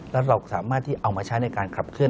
แล้วเราสามารถที่เอามาใช้ในการขับเคลื